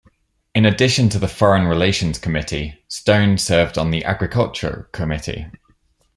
In addition to the Foreign Relations Committee, Stone served on the Agriculture Committee.